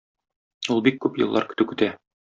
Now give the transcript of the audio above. Ул бик күп еллар көтү көтә.